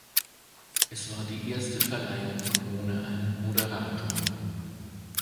Es war die erste Verleihung ohne einen Moderator.